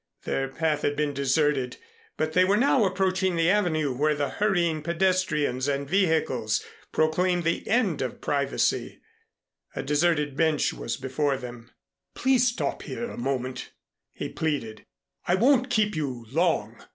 Their path had been deserted, but they were now approaching the Avenue where the hurrying pedestrians and vehicles proclaimed the end of privacy. A deserted bench was before them. "Please stop here a moment," he pleaded. "I won't keep you long."